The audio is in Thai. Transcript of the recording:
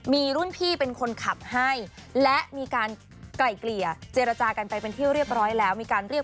มีรุ่นพี่เป็นคนขับให้และมีการไกล่เกลี่ยเจรจากันไปเป็นที่เรียบร้อยแล้วมีการเรียก